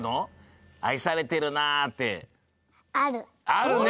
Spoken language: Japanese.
あるね！